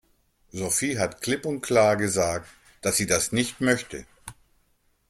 Sophie hat klipp und klar gesagt, dass sie das nicht möchte.